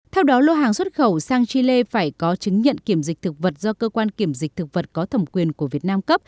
theo đó lô hàng xuất khẩu sang chile phải có chứng nhận kiểm dịch thực vật do cơ quan kiểm dịch thực vật có thẩm quyền của việt nam cấp